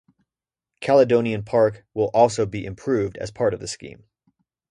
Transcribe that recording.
Caledonian Park will also be improved as part of the scheme.